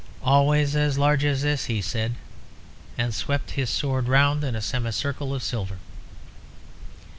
"Always as large as this," he said, and swept his sword round in a semicircle of silver.